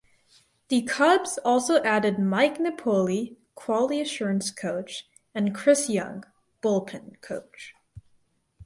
The Cubs also added Mike Napoli (quality assurance coach) and Chris Young (bullpen coach).